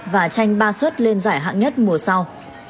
và tranh ba xuất lên giải hạng nhất mùa sau